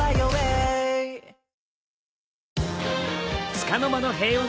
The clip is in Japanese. つかの間の平穏。